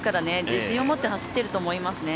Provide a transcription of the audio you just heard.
自信を持って走っていると思いますね。